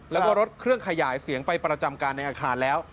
แล้วก็รถเครื่องขยายเสียงไปประจำการในอาคารแล้ว